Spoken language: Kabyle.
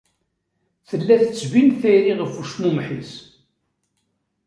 Tella tettbin tayri ɣef ucmumeḥ-is.